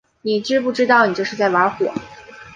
你知不知道你这是在玩火